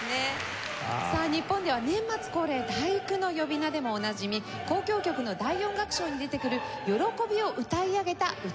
さあ日本では年末恒例『第九』の呼び名でもおなじみ交響曲の第４楽章に出てくる喜びを歌い上げた歌の部分です。